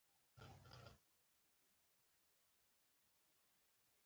دا د سیریلیون د قهوې، کوکو او الماسو په صادراتو کې وو.